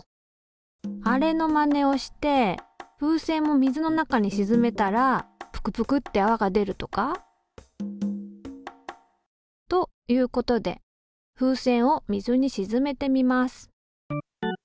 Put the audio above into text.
あれのまねをして風船も水の中にしずめたらぷくぷくってあわが出るとか？ということで風船を水にしずめてみます。